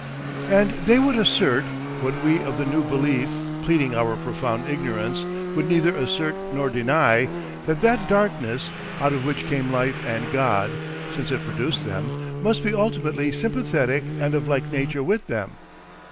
And they would assert, what we of the new belief, pleading our profound ignorance, would neither assert nor deny, that that Darkness, out of which came Life and God, since it produced them must be ultimately sympathetic and of like nature with them.